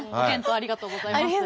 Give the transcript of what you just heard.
ありがとうございます。